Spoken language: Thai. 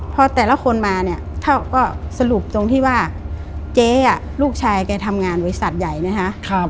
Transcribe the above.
พอแต่ละคนมาเนี่ยเท่าก็สรุปตรงที่ว่าเจ๊ลูกชายแกทำงานบริษัทใหญ่นะคะ